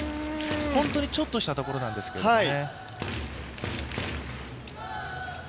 本当にちょっとしたところなんですけどね。